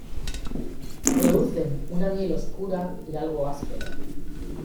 Producen una miel oscura y algo áspera.